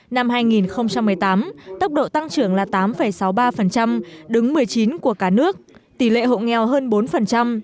năm hai nghìn một mươi tám tốc độ tăng trưởng là tám sáu mươi ba đứng một mươi chín của cả nước tỷ lệ hộ nghèo hơn bốn